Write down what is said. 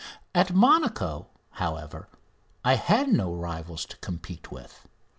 At Monaco, however, I had no rivals to compete with.